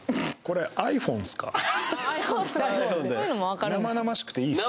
ｉＰｈｏｎｅです